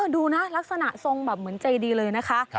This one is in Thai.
ดูนะลักษณะทรงแบบเหมือนใจดีเลยนะคะ